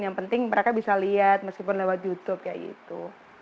yang penting mereka bisa lihat meskipun lewat youtube kayak gitu